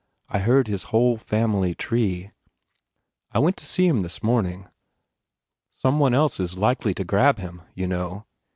I heard his whole family tree. I went to see him this morning. Some one else is likely to grab him, you know?